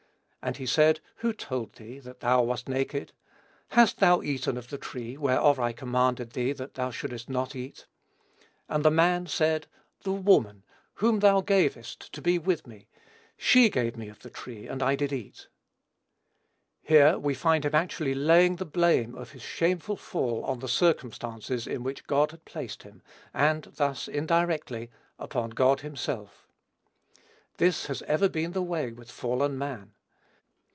And he said, Who told thee that thou wast naked? Hast thou eaten of the tree, whereof I commanded thee that thou shouldest not eat? And the man said, The woman whom thou gavest to be with me, she gave me of the tree, and I did eat." Here, we find him actually laying the blame of his shameful fall on the circumstances in which God had placed him, and thus, indirectly, upon God himself. This has ever been the way with fallen man.